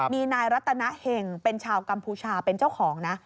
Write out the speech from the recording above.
มีนายรัตนาเห่งเป็นชาวกัมพูชาเป็นเจ้าของนะ